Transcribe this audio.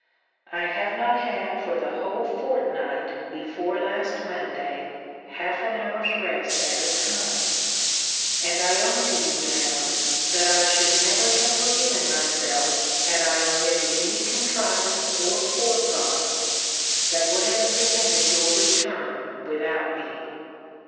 I have not had for the whole fortnight before last Monday, half an hour's rest at a time. And I own to you, Madam, that I should never have forgiven myself, had I omitted any contrivance or forethought that would have prevented your return without me.